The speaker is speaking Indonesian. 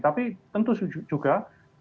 tapi tentu juga bahwa